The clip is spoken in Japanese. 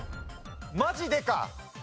マジでか。